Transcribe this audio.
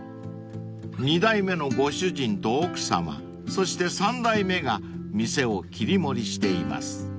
［２代目のご主人と奥さまそして３代目が店を切り盛りしています］